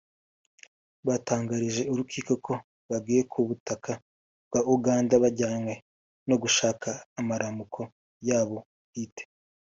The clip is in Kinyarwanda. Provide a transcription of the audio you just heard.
Batangarije urukiko ko bagiye ku butaka bwa Uganda bajyanwe no gushaka amaramuko yabo bwite